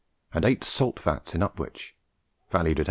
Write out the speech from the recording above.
and eight salt vats in Upwich, valued at 80L.